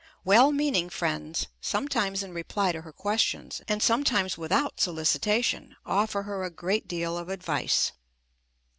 Well meaning friends, sometimes in reply to her questions and sometimes without solicitation, offer her a great deal of advice.